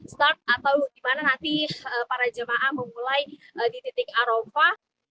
start atau dimana nanti para jemaah memulai di titik arofa